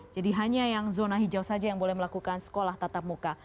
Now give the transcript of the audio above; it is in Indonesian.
jadi hanya yang zona hijau saja yang boleh melakukan sekolah tatap muka